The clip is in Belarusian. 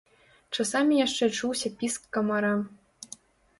Часамі яшчэ чуўся піск камара.